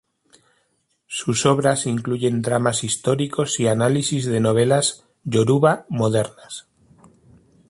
Sus obras incluyen dramas históricos y análisis de novelas yoruba modernas.